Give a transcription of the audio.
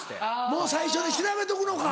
もう最初に調べとくのか。